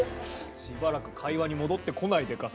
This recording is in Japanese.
しばらく会話に戻ってこないデカさ。